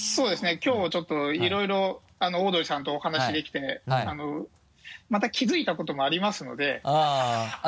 きょうちょっといろいろオードリーさんとお話しできてまた気づいたこともありますのであっ。